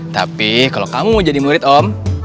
tapi kalau kamu mau jadi murid om